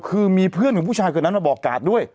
คือมีเพื่อนของผู้ชายคนนั้นมาบอกกาดด้วย